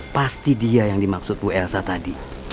pasti dia yang dimaksud bu elsa tadi